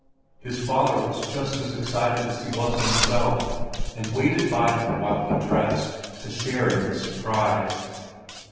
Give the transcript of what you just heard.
His father was just as excited as he was himself, and waited by him while he dressed, to share in the surprise.